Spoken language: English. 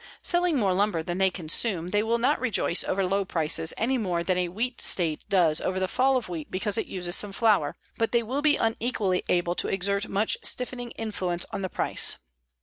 Selling more lumber than they consume, they will not rejoice over low prices any more than a wheat state does over the fall of wheat because it uses some flour, but they will be equally unable to exert much stiffening influence on the price.